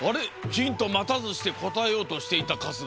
ヒントまたずしてこたえようとしていた春日。